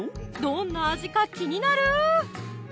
どんな味か気になる！